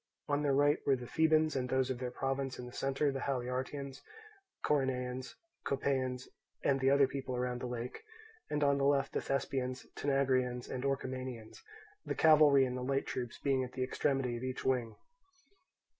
On their right were the Thebans and those of their province, in the centre the Haliartians, Coronaeans, Copaeans, and the other people around the lake, and on the left the Thespians, Tanagraeans, and Orchomenians, the cavalry and the light troops being at the extremity of each wing.